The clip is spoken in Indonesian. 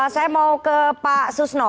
saya mau ke pak susno